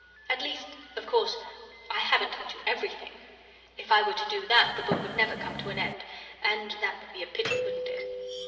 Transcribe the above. At least, of course, I haven't told you EVERYTHING. If I were to do that, the book would never come to an end, and that would be a pity, wouldn't it?